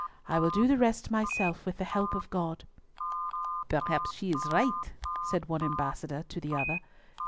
I will do the rest myself, with the help of God." "Perhaps she is right," said the one ambassador to the other.